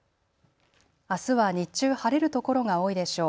あすは日中、晴れる所が多いでしょう。